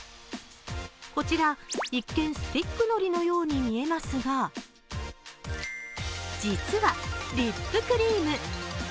こちら一見、スティックのりのように見えますが実は、リップクリーム。